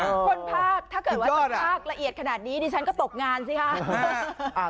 คนภาคถ้าเกิดว่าตกภาคละเอียดขนาดนี้ดิฉันก็ตกงานสิคะ